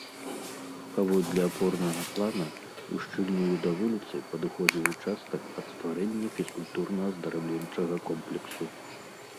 Паводле апорнага плана, ушчыльную да вуліцы падыходзіў участак пад стварэнне фізкультурна-аздараўленчага комплексу.